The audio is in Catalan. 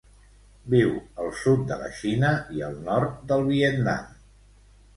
Viu al sud de la Xina i el nord del Vietnam.